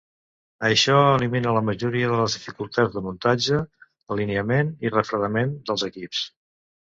Això elimina la majoria de les dificultats de muntatge, alineament i refredament dels equips.